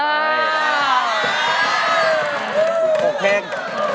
อีกหกเพลง